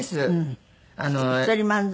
一人漫才？